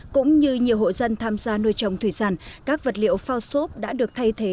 cũng như nhiều hộ dân tham gia nuôi trồng thủy sản các vật liệu phao xốp đã được thay thế